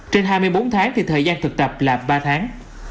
trên hai mươi bốn tháng thì thời gian thực tập là ba tháng